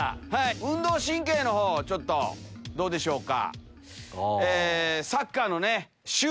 運動神経のほうちょっとどうでしょうか。